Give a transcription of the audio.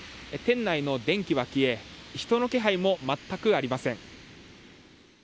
店内の電気は消え人の気配も全くありません。